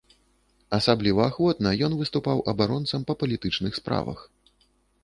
Асабліва ахвотна ён выступаў абаронцам па палітычных справах.